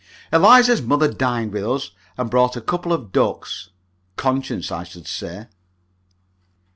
Eliza's mother dined with us, and brought a couple of ducks. Conscience, I should say.